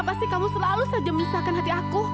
kalian harus bermanfaat